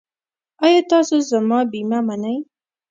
ایا تاسو زما بیمه منئ؟